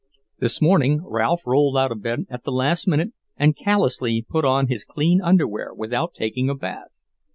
This morning Ralph rolled out of bed at the last minute and callously put on his clean underwear without taking a bath.